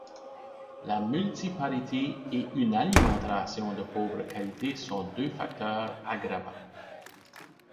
La multiparité et une alimentation de pauvre qualité sont deux facteurs aggravants.